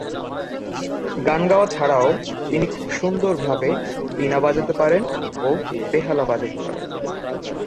গান গাওয়া ছাড়াও তিনি খুব সুন্দরভাবে বীণা বাজাতে পারেন ও বেহালা বাজাতে পারেন।